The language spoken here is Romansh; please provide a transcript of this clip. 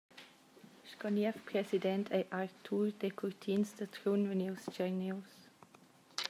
Sco niev president ei Arthur Decurtins da Trun vegnius tscharnius.